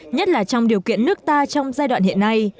nhất là trong điều kiện nước ta trong giai đoạn hiện nay